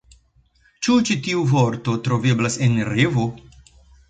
Ĉu ĉi tiu vorto troveblas en ReVo?